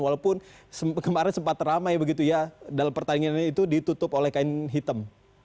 walaupun kemarin sempat ramai begitu ya dalam pertandingan itu ditutup oleh kain hitam